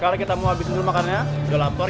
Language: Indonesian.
kalau kita mau habisin dulu makannya udah lapar